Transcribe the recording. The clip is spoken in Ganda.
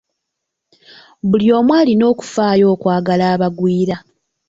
Buli omu alina okufaayo n'okwagala abagwira.